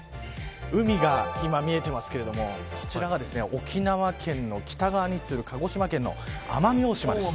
海が今、見えていますけどもこちらが沖縄県の北側に位置する鹿児島県の奄美大島です。